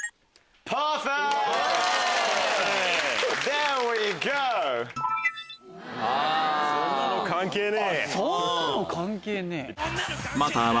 あっ「そんなの関係ねえ」。